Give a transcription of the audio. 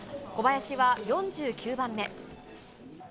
小林は４９番目。